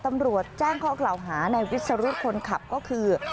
ตำรวจแจ้งข้อกล่าวหาในวิสรุธคนขับก็คือ